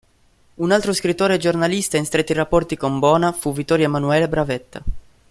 Un altro scrittore e giornalista in stretti rapporti con Bona fu Vittorio Emanuele Bravetta.